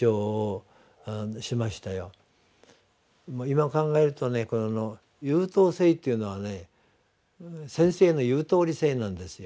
今考えるとね優等生っていうのはね先生の「言うとおり生」なんですよ。